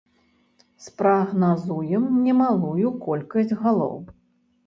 Спрагназуем немалую колькасць галоў.